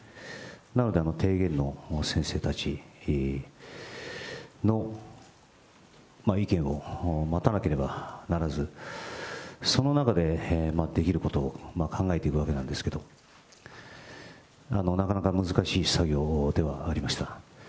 なので、提言の先生たちの意見を待たなければならず、その中で、できることを考えていくわけなんですけど、なかなか難しい作業ではありました。